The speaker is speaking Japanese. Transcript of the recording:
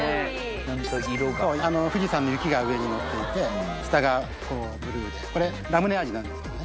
ちゃんと色があの富士山の雪が上にのっていて下がこうブルーでこれラムネ味なんですけどね